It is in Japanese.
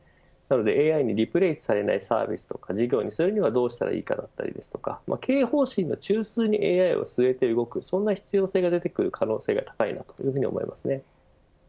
ＡＩにリプレイスされないサービスとか事業にするにはどうしたらいいのかだったり経営方針の中枢にＡＩを据えて動くそんな必要性が出てくる可能性が高いと思います。